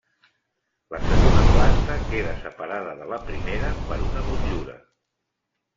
La segona planta queda separada de la primera per una motllura.